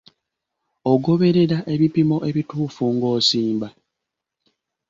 Ogoberera ebipimo ebituufu ng'osimba?